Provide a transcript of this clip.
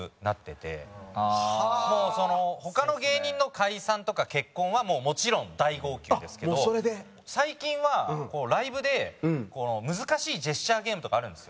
他の芸人の解散とか結婚はもちろん大号泣ですけど最近はライブで難しいジェスチャーゲームとかあるんですよ。